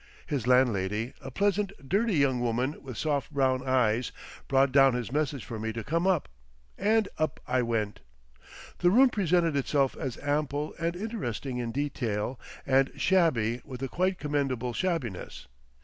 His landlady, a pleasant, dirty young woman with soft brown eyes, brought down his message for me to come up; and up I went. The room presented itself as ample and interesting in detail and shabby with a quite commendable shabbiness.